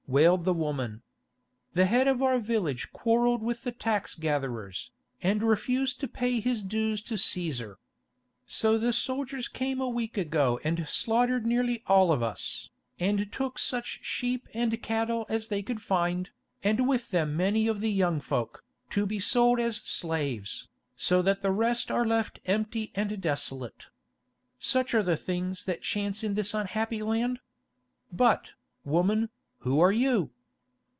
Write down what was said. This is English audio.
wailed the woman. "The head of our village quarrelled with the tax gatherers, and refused to pay his dues to Cæsar. So the soldiers came a week ago and slaughtered nearly all of us, and took such sheep and cattle as they could find, and with them many of the young folk, to be sold as slaves, so that the rest are left empty and desolate. Such are the things that chance in this unhappy land. But, woman, who are you?"